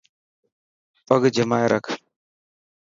پگ جمائي رک.